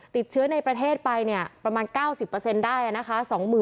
ติดเชื้อในประเทศไปเนี่ยประมาณ๙๐ได้นะคะ